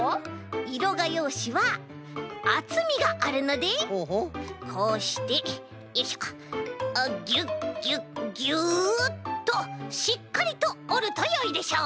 いろがようしはあつみがあるのでこうしてよいしょあっギュッギュッギュッとしっかりとおるとよいでしょう。